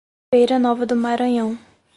Feira Nova do Maranhão